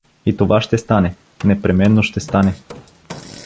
И това ще стане, непременно ще стане.